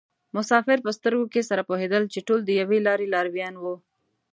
مسافر په سترګو کې سره پوهېدل چې ټول د یوې لارې لارویان وو.